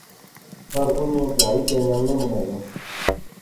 پرانیاں ٹہائی تے نویاں بنایاں